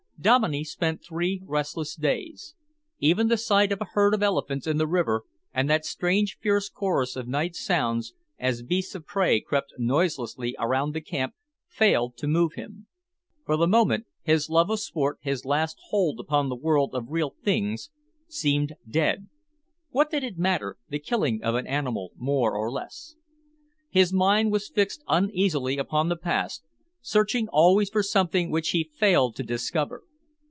Dominey spent three restless days. Even the sight of a herd of elephants in the river and that strange, fierce chorus of night sounds, as beasts of prey crept noiselessly around the camp, failed to move him. For the moment his love of sport, his last hold upon the world of real things, seemed dead. What did it matter, the killing of an animal more or less? His mind was fixed uneasily upon the past, searching always for something which he failed to discover.